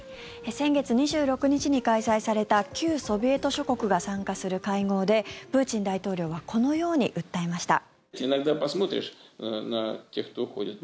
先月２６日に開催された旧ソビエト諸国が参加する会合でプーチン大統領はこのように訴えました。